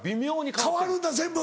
変わるんだ全部。